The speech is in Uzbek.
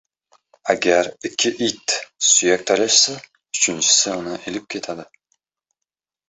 • Agar ikki it suyak talashsa, uchinchisi uni ilib ketadi.